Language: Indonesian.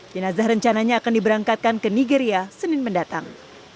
jenazah rencananya akan diberangkatkan ke nigeria senin mendatang